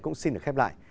cũng xin được khép lại